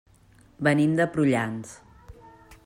Venim de Prullans.